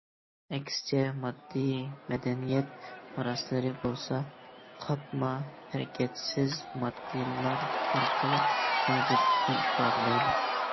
ئەكسىچە، ماددىي مەدەنىيەت مىراسلىرى بولسا، قاتما، ھەرىكەتسىز ماددىلار ئارقىلىق مەۋجۇتلۇقىنى ئىپادىلەيدۇ.